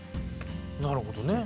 なるほどね。